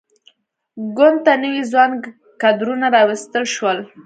ګوند ته نوي ځوان کدرونه راوستل شول.